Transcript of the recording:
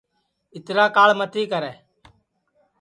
اِترا کاݪ متی کرے